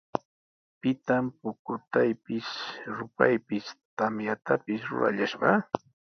¿Pitaq pukutaypis, rupaypis, tamyatapis rurallashqa?